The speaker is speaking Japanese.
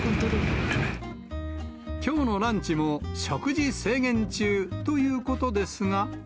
きょうのランチも、食事制限中ということですが。